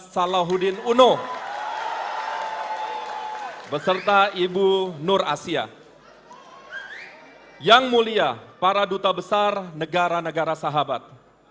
saya tetapi akan menjadi sesuatu yang ingin bertobat